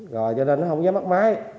rồi cho nên nó không dám bắt máy